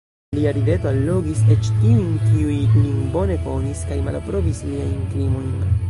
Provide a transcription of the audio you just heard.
Lia rideto allogis eĉ tiujn, kiuj lin bone konis kaj malaprobis liajn krimojn.